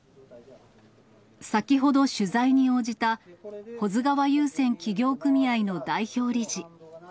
先ほど取材に応じた、保津川遊船企業組合の代表理事。